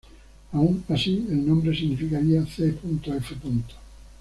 Aun así, el nombre significaría c.f.